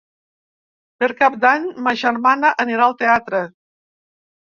Per Cap d'Any ma germana anirà al teatre.